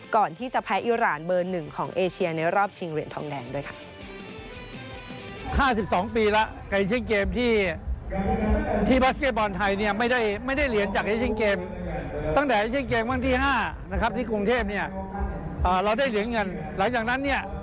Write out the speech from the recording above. ก่อนที่จะแพ้อิราณเบอร์๑ของเอเชียในรอบชิงเหรียญทองแดงด้วยค่ะ